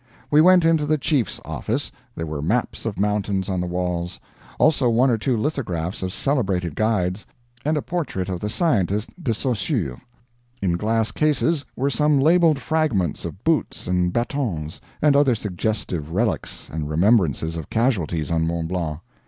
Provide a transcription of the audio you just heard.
We went into the Chief's office. There were maps of mountains on the walls; also one or two lithographs of celebrated guides, and a portrait of the scientist De Saussure. In glass cases were some labeled fragments of boots and batons, and other suggestive relics and remembrances of casualties on Mount Blanc.